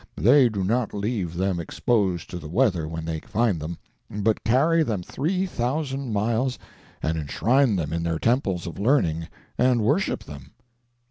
They do not leave them exposed to the weather when they find them, but carry them three thousand miles and enshrine them in their temples of learning, and worship them."